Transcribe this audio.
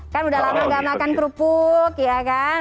kan sudah lama tidak makan kerupuk ya kan